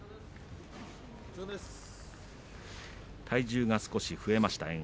体重が少し増えました